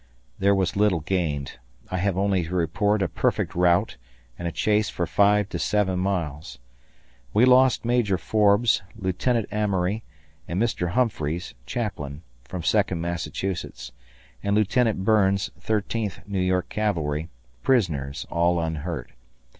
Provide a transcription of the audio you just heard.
There was little gained. I have only to report a perfect rout and a chase for five to seven miles. We lost Major Forbes, Lieutenant Amory, and Mr. Humphreys (Chaplain), from Second Massachusetts, and Lieutenant Burns, Thirteenth New York Cavalry, prisoners, all unhurt.